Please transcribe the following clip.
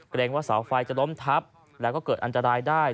เกรงว่าเสาไฟจะล้มทับแล้วก็เกิดอันตรายได้